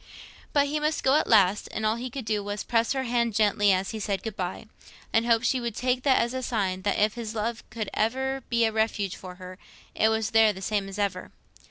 But he must go at last, and all he could do was to press her hand gently as he said "Good bye," and hope she would take that as a sign that if his love could ever be a refuge for her, it was there the same as ever.